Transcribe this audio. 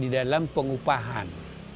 di dalam pengupahan